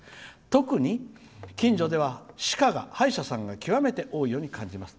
特に近所では、歯科がきわめて多いように感じます。